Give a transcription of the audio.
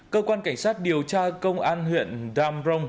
cơ quan cảnh sát điều tra công an huyện dambrong